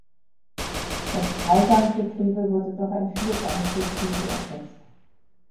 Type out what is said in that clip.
Das Dreiganggetriebe wurde durch ein Vierganggetriebe ersetzt.